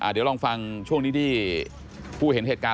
เดี๋ยวลองฟังช่วงนี้ที่ผู้เห็นเหตุการณ์